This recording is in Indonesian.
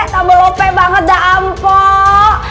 tambah lopek banget dah ampok